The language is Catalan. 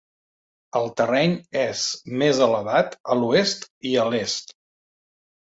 El terreny és més elevat a l'oest i a l'est.